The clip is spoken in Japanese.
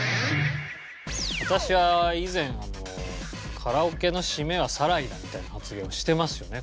私は以前「カラオケの締めは『サライ』だ」みたいな発言をしてますよね